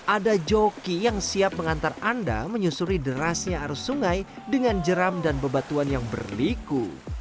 ada joki yang siap mengantar anda menyusuri derasnya arus sungai dengan jeram dan bebatuan yang berliku